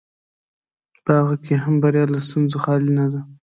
په هغه کې هم بریا له ستونزو خالي نه ده.